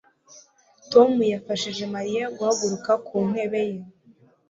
tom yafashije mariya guhaguruka ku ntebe ye